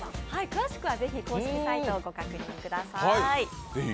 詳しくは、ぜひ公式サイトをご確認ください。